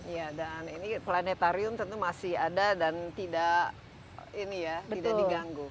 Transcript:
ya dan ini planetarium tentu masih ada dan tidak ini ya tidak diganggu